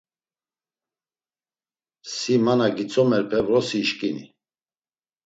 Si ma na gitzomerpe vrosi işǩini.